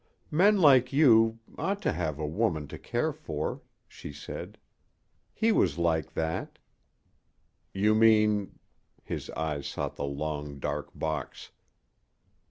"Men like you ought to have a woman to care for," she said. "He was like that." "You mean " His eyes sought the long, dark box.